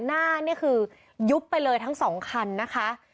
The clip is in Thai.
หน้านี่คือยุบไปเลยทั้งสองคันนะคะ